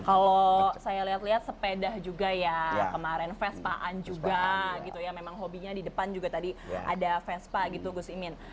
kalau saya lihat lihat sepeda juga ya kemarin vespaan juga gitu ya memang hobinya di depan juga tadi ada vespa gitu gus imin